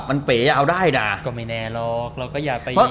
มันเป๋เอาได้นะก็ไม่แน่หรอกเราก็อย่าไป